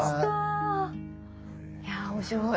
いや面白い。